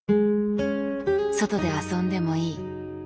「外で遊んでもいい」。